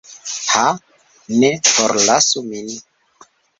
Ha, ne forlasu min!